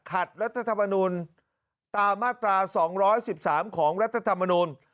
รัฐธรรมนูลตามมาตรา๒๑๓ของรัฐธรรมนูล